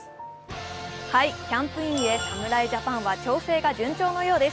キャンプインへ侍ジャパンは調整が順調のようです。